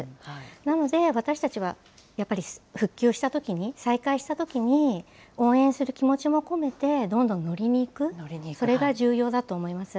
なので、私たちはやっぱり復旧したときに、再開したときに、応援する気持ちも込めて、どんどん乗りに行く、それが重要だと思います。